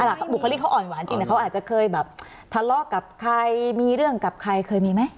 บุคลิกเขาอ่อนหวานจริงเขาอาจจะเคยแบบทะเลาะกับใครมีเรื่องกับใครเคยมีไหม